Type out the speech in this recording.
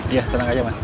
iya tenang aja mas